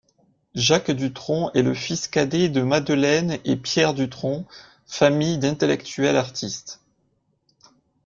Jacques Dutronc est le fils cadet de Madeleine et Pierre Dutronc, famille d'intellectuels artistes.